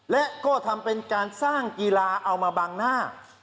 และก็ทำเป็นการสร้างกีฬาเอามาบังหน้า